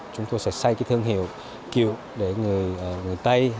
chúng tôi sẽ xây cái thương hiệu kiểu để người tây